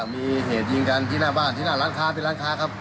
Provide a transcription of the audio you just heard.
มีเหตุยิงกันที่หน้าบ้านที่หน้าร้านค้าเป็นร้านค้าครับ